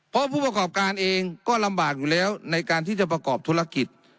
เพราะผู้ประกอบการเองก็ลำบากอยู่แล้วในการที่จะประกอบธุรกิจ